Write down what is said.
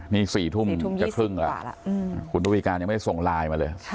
นี่๔ทุ่มจะครึ่งแล้วคุณระวีการยังไม่ได้ส่งไลน์มาเลย